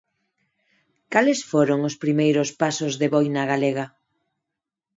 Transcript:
Cales foron os primeiros pasos de Boina Galega?